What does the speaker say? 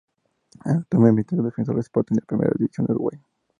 Actualmente milita en Defensor Sporting de la Primera División de Uruguay.